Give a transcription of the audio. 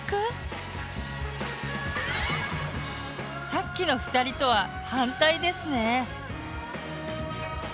さっきの２人とは反対ですね。